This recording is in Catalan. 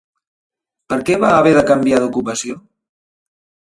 Per què va haver de canviar d'ocupació?